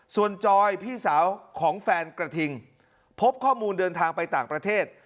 ส่วนจอยพี่สาวของแฟนกระทิงพบข้อมูลเดินทางไปต่างประเทศ